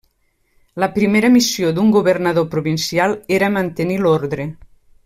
La primera missió d'un governador provincial era mantenir l'ordre.